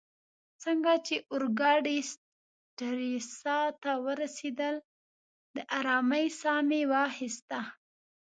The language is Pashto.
څنګه چي اورګاډې سټریسا ته ورسیدل، د آرامۍ ساه مې واخیسته.